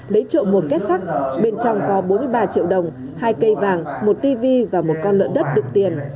để trộm một kết sắt bên trong có bốn mươi ba triệu đồng hai cây vàng một tivi và một con lợn đất được tiền